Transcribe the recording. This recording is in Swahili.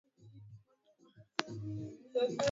Bibi Ann alimfuata mumewe wakati aliporudi Indonesia